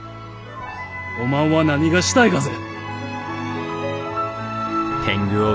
おまんは何がしたいがぜ？